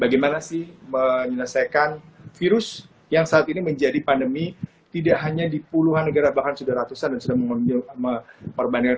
bagaimana sih menyelesaikan virus yang saat ini menjadi pandemi tidak hanya di puluhan negara bahkan sudah ratusan dan sudah mengambil perbandingan